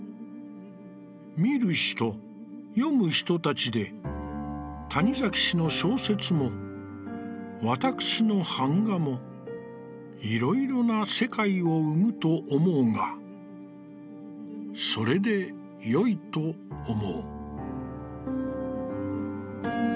「見る人、読む人たちで、谷崎氏の小説も、わたくしの板画も、色々な世界を生むと思うがそれでよいと思う」。